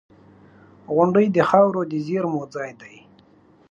• غونډۍ د خاورو د زېرمو ځای دی.